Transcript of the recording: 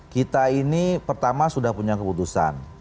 kita ini pertama sudah punya keputusan